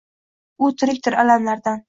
U tirikdir, alamlardan